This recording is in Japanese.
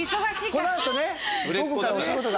このあと。